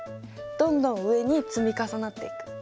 どんどん上に積み重なっていく。